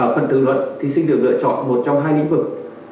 phần thử luận thí sinh được lựa chọn một trong hai lĩnh vực